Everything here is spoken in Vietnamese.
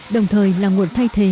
đồng thời là nguồn thay thế